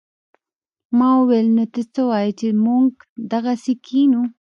ما وويل نو ته څه وايې چې موږ دغسې کښينو.